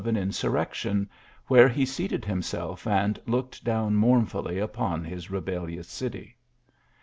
an insurrection, where he seated himself and looked down mournfully upon his rebellious city.